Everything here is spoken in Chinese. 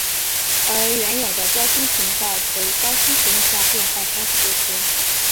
而原有的标清频道则以高清节目下变换方式播出。